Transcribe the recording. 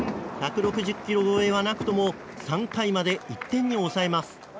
１６０キロ超えはなくとも３回まで１点に抑えます。